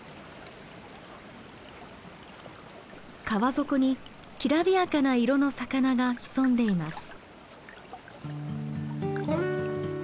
川底にきらびやかな色の魚が潜んでいます。